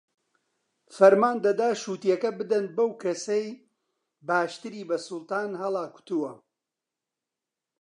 فەرمان دەدا شووتییەکە بدەن بەو کەسەی باشتری بە سوڵتان هەڵاکوتووە